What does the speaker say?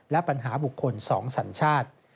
และปัญหาบุคคล๒สัญชาติ